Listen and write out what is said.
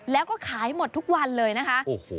แล้วก็ขายหมดทุกวันเลยนะคะโอ้โห